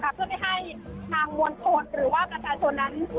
ไม่ให้ทางวนโสนหรือว่ากระทะชนนั้น